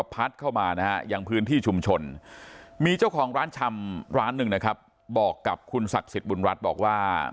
พร้านหนึ่งนะครับบอกกับคุณสัตว์ศิษย์บุญรัฐบอกว่า